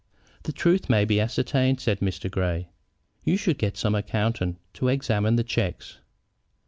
"The truth may be ascertained," said Mr. Grey. "You should get some accountant to examine the checks."